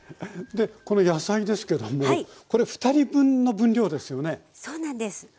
この野菜ですけどもこれ２人分の分量ですよね？